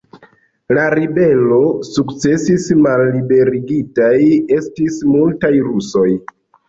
La ribelo sukcesis, malliberigitaj estis multaj rusoj.